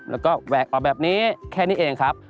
แล้วก็แหวกออกแบบนี้แค่นี้เองครับ